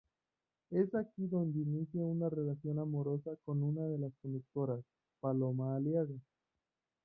Es aquí donde inicia una relación amorosa con una de las conductoras, Paloma Aliaga.